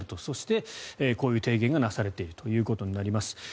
そしてこういう提言がなされているということになります。